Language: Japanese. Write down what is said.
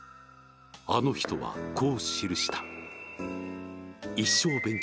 あの人はこう記した。